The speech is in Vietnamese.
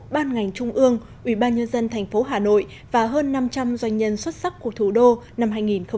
ban ngành trung ương ủy ban nhân dân thành phố hà nội và hơn năm trăm linh doanh nhân xuất sắc của thủ đô năm hai nghìn một mươi chín